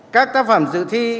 các tác phẩm dự thi